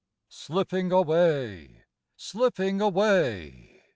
Slipping away slipping away!